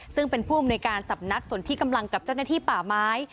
ซึ่งเป็นผู้อำนวยการสำนักส่วนที่กำลังกับเจ้าหน้าที่ป่าไม้